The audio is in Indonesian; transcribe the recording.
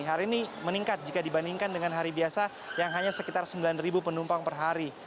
hari ini meningkat jika dibandingkan dengan hari biasa yang hanya sekitar sembilan penumpang per hari